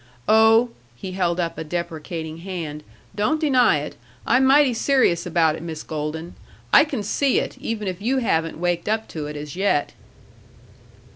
Oh," he held up a deprecating hand, "don't deny it. I'm mighty serious about it, Miss Golden. I can see it, even if you haven't waked up to it as yet."